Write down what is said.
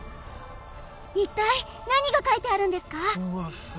一体何が書いてあるんですか？